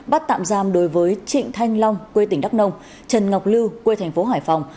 bắt tạm giam đối với trịnh thanh long quê tỉnh đắk nông trần ngọc lưu quê tp hải phòng